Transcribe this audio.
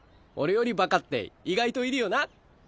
俺よりバカって意外といるよな。